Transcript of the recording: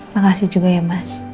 makasih juga ya mas